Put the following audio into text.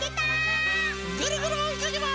ぐるぐるおいかけます！